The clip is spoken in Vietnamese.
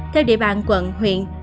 theo địa bàn quận huyện